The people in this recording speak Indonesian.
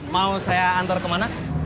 mau saya antar kemana